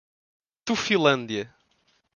Tufilândia